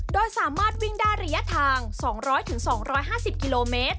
โดยสามารถวิ่งได้ระยะทาง๒๐๐๒๕๐กิโลเมตร